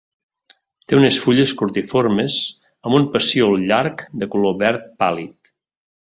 Té unes fulles cordiformes, amb un pecíol llarg de color verd pàl·lid.